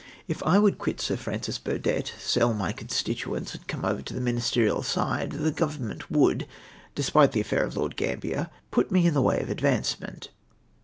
If I would rpiit Sir Francis Burdett, sell my constituents, and come over to the ministeiial side, the Government woidd — despite the affair of Lord Gambler — put me in the way of advancement.